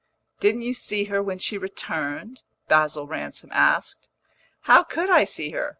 "Didn't you see her when she returned?" Basil Ransom asked. "How could I see her?